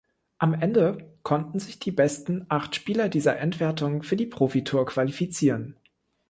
Am Ende konnten sich die besten acht Spieler dieser Endwertung für die Profitour qualifizieren.